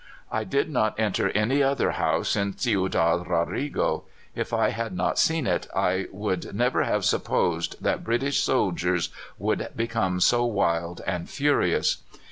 "I did not enter any other house in Ciudad Rodrigo. If I had not seen it, I never could have supposed that British soldiers would become so wild and furious.